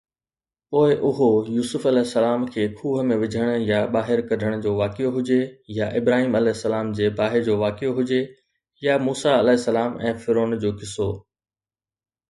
پوءِ اهو يوسف (ع) کي کوهه ۾ وجهڻ يا ٻاهر ڪڍڻ جو واقعو هجي يا ابراهيم (ع) جي باهه جو واقعو هجي يا موسيٰ (ع) ۽ فرعون جو قصو.